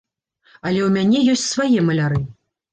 Але ў мяне ёсць свае маляры.